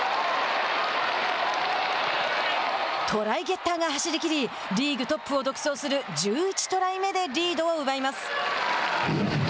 トライゲッターが走りきりリーグトップを独走する１１トライ目でリードを奪います。